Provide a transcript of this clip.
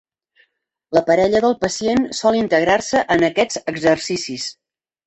La parella del pacient sol integrar-se en aquests exercicis.